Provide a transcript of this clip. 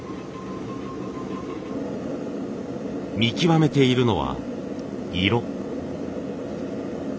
見極めているのは色。